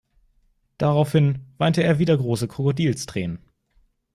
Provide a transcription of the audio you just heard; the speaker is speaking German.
Daraufhin weinte er wieder große Krokodilstränen.